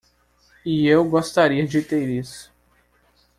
E eu gostaria de ter isso!